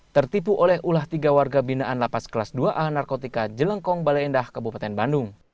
tertipu oleh ulah tiga warga binaan lapas kelas dua a narkotika jelengkong balai endah kabupaten bandung